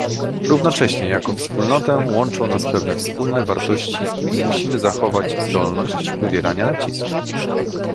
Równocześnie, jako wspólnotę, łączą nas pewne wspólne wartości i musimy zachować zdolność wywierania nacisku